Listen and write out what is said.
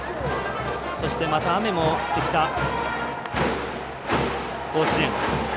そしてまた雨も降ってきた甲子園。